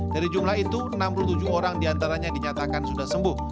dari jumlah itu enam puluh tujuh orang diantaranya dinyatakan sudah sembuh